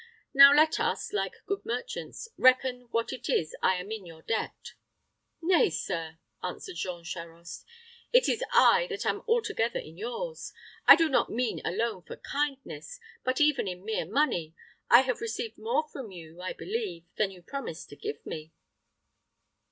Now let us, like good merchants, reckon what it is I am in your debt." "Nay, sir," answered Jean Charost, "it is I that am altogether in yours; I do not mean alone for kindness, but even in mere money. I have received more from you, I believe, than you promised to give me."